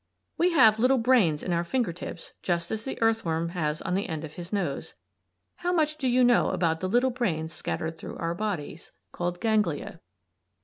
We have little brains in our finger tips just as the earthworm has on the end of his nose. How much do you know about the little brains scattered through our bodies (Ganglia)?